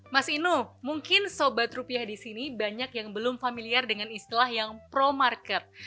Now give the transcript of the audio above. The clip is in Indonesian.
mas inu mungkin sobat rupiah di sini banyak yang belum familiar dengan istilah yang pro market